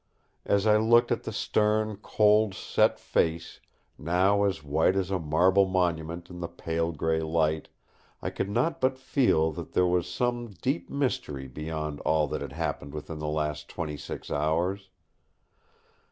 As I looked at the stern, cold, set face, now as white as a marble monument in the pale grey light, I could not but feel that there was some deep mystery beyond all that had happened within the last twenty six hours.